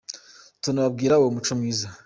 Tunababwire uwo muco mwiza